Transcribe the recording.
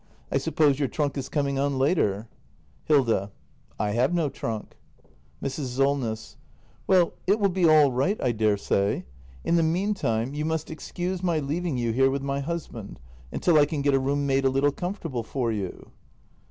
I suppose your trunk is coming on later ? Hilda. I have no trunk. act i] THE MASTER BUILDER 291 Mrs. Solness. Well, it will be all right, I daresay. In the meantime, you must excuse my leaving you here with my husband, until I can get a room made a little comfortable for you.